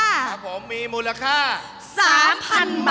ครับผมมีมูลค่า๓๐๐๐บาท